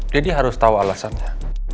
deddy harus tau alasannya